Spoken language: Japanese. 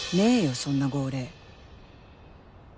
そんな号令